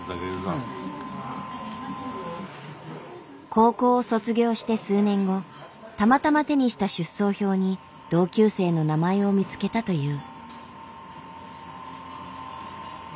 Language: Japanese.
高校を卒業して数年後たまたま手にした出走表に同級生の名前を見つけたという。